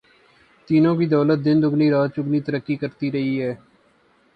تینوں کی دولت دن دگنی رات چوگنی ترقی کرتی رہی ہے۔